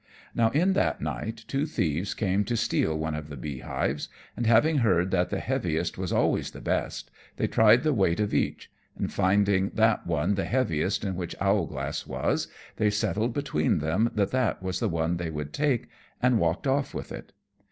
Now in that night two thieves came to steal one of the beehives, and having heard that the heaviest was always the best, they tried the weight of each; and finding that one the heaviest in which Owlglass was, they settled between them that that was the one they would take, and walked off with it.